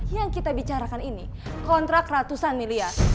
yang kita bicarakan ini kontrak ratusan miliar